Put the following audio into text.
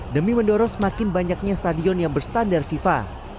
demi mendorong semakin banyaknya stadion yang berstandar fifa